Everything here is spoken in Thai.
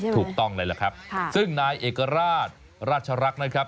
ถูกต้องได้ซึ่งนายเอกราชรัชรักนะครับ